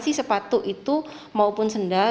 sepatu itu maupun sendal